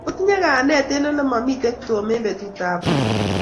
Otinye kayanet ole momitei Tom eng betutap ra